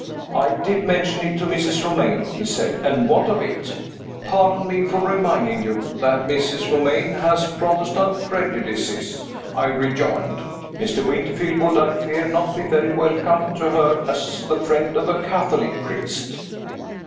"I did mention it to Mrs. Romayne," he said. "And what of it?" "Pardon me for reminding you that Mrs. Romayne has Protestant prejudices," I rejoined. "Mr. Winterfield would, I fear, not be very welcome to her as the friend of a Catholic priest."